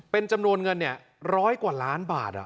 เป็นจำนวนเงิน๑๐๐กว่าล้านบาท